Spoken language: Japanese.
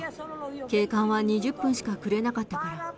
警官は２０分しかくれなかったから。